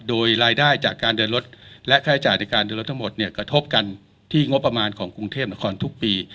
โดยรายได้จากการเดินรถและค่าใช้จ่ายในการเดินรถทั้งหมดเนี่ยกระทบกันที่งบประมาณของกรุงเทพนครทุกปี